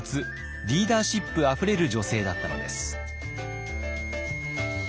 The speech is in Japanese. リーダーシップあふれる女性だったのです。